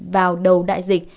vào đầu đại dịch